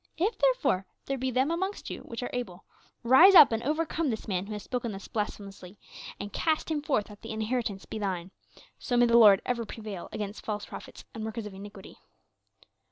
If, therefore, there be them amongst you which are able, rise up and overcome this man who hath spoken thus blasphemously, and cast him forth that the inheritance be thine; so may the Lord ever prevail against false prophets and workers of iniquity.